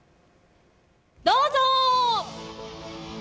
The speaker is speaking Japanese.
どうぞ！